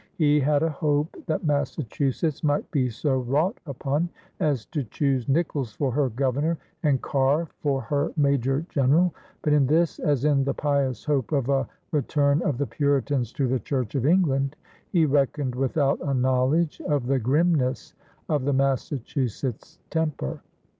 He had a hope that Massachusetts might be so wrought upon as to choose Nicolls for her governor and Carr for her major general, but in this, as in the pious hope of a return of the Puritans to the Church of England, he reckoned without a knowledge of the grimness of the Massachusetts temper.